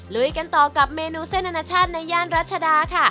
ลุยกันต่อกับเมนูเส้นอนาชาติในย่านรัชดาค่ะ